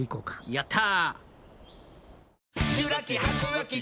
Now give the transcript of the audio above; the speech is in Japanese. やった。